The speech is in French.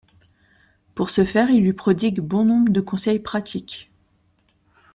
Pour ce faire il lui prodigue bon nombre de conseils pratiques.